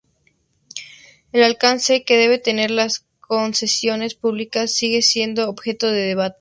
El alcance que deben tener las concesiones públicas sigue siendo objeto de debate.